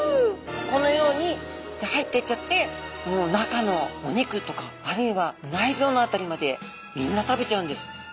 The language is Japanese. このように入っていっちゃってもう中のお肉とかあるいは内臓の辺りまでみんな食べちゃうんです。